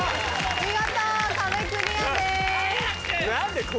見事壁クリアです！